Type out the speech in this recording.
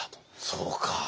そうか。